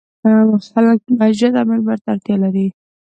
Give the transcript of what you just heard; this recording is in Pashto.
خلک مسجد او منبر ته اړتیا لري.